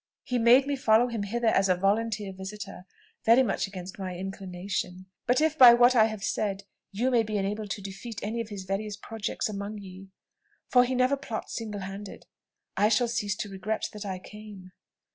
He made me follow him hither as a volunteer visiter, very much against my inclination; but if by what I have said you may be enabled to defeat any of his various projects among ye, for he never plots single handed, I shall cease to regret that I came."